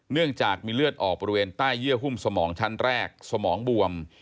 เนื่องจากมีเลือดออกบริเวณใต้เยื่อหุ้มสมองชั้นแรกสมองบวม